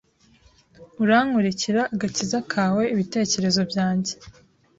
Urankurikira agakiza kawe ibitekerezo byanjye